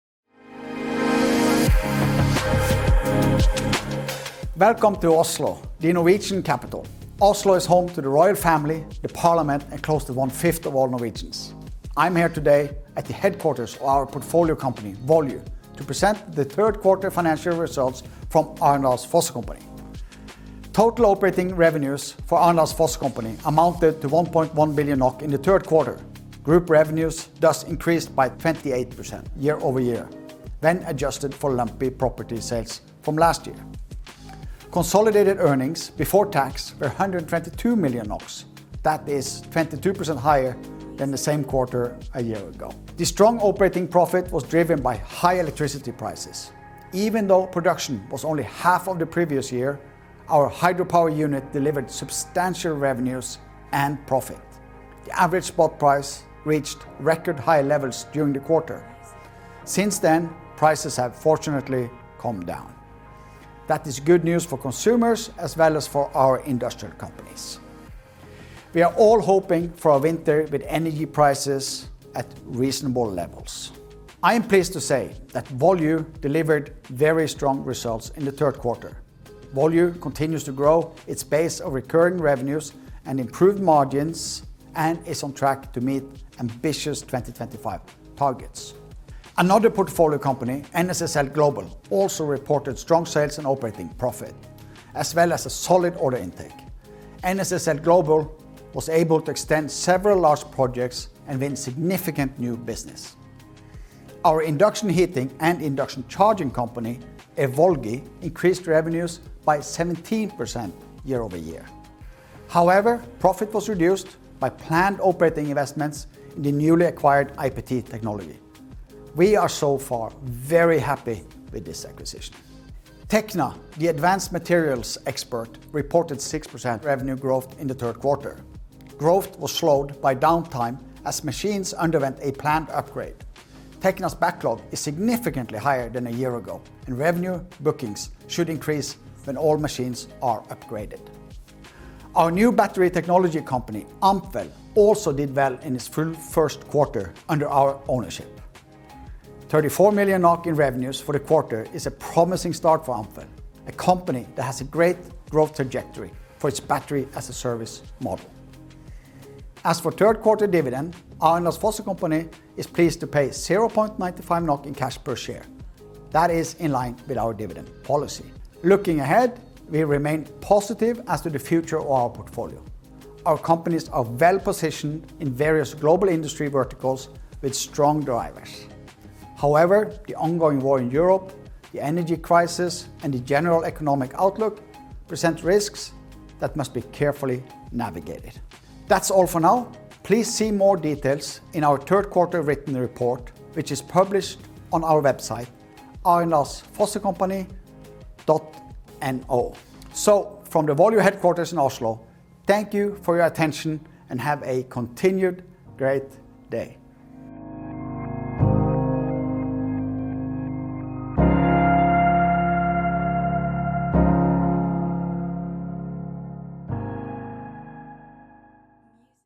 Welcome to Oslo, the Norwegian capital. Oslo is home to the royal family, the parliament, and close to one-fifth of all Norwegians. I'm here today at the headquarters of our portfolio company, Volue, to present the third quarter financial results from Arendals Fossekompani. Total operating revenues for Arendals Fossekompani amounted to 1.1 billion NOK in the third quarter. Group revenues thus increased by 28% year-over-year, when adjusted for lumpy property sales from last year. Consolidated earnings before tax were 122 million NOK. That is 22% higher than the same quarter a year ago. The strong operating profit was driven by high electricity prices. Even though production was only half of the previous year, our hydropower unit delivered substantial revenues and profit. The average spot price reached record high levels during the quarter. Since then, prices have fortunately calmed down. That is good news for consumers as well as for our industrial companies. We are all hoping for a winter with energy prices at reasonable levels. I am pleased to say that Volue delivered very strong results in the third quarter. Volue continues to grow its base of recurring revenues and improved margins and is on track to meet ambitious 2025 targets. Another portfolio company, NSSLGlobal, also reported strong sales and operating profit, as well as a solid order intake. NSSLGlobal was able to extend several large projects and win significant new business. Our induction heating and induction charging company, ENRX, increased revenues by 17% year-over-year. However, profit was reduced by planned operating investments in the newly acquired IPT technology. We are so far very happy with this acquisition. Tekna, the advanced materials expert, reported 6% revenue growth in the Q3. Growth was slowed by downtime as machines underwent a planned upgrade. Tekna's backlog is significantly higher than a year ago, and revenue bookings should increase when all machines are upgraded. Our new battery technology company, Ampwell, also did well in its full Q1 under our ownership. 34 million NOK in revenues for the quarter is a promising start for Ampwell, a company that has a great growth trajectory for its battery-as-a-service model. As for Q3 dividend, Arendals Fossekompani is pleased to pay 0.95 NOK in cash per share. That is in line with our dividend policy. Looking ahead, we remain positive as to the future of our portfolio. Our companies are well-positioned in various global industry verticals with strong drivers. However, the ongoing war in Europe, the energy crisis, and the general economic outlook present risks that must be carefully navigated. That's all for now. Please see more details in our Q3 written report, which is published on our website, arendalsfossekompani.no. From the Volue headquarters in Oslo, thank you for your attention and have a continued great day.